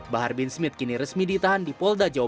bahar bin smith kini resmi ditahan di polda jawa barat